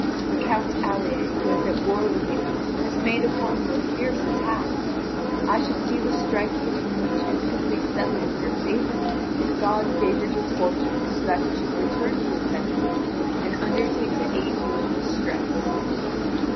For Count Alier, who is at war with you, has made upon you a fierce attack. I should see the strife between you two quickly settled in your favour if God favoured your fortunes so that he should return to his senses and undertake to aid you in this stress."